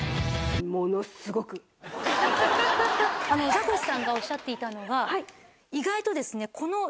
ザコシさんがおっしゃっていたのが意外とですね。